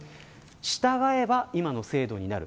従えば今の制度になる。